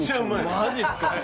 マジすか？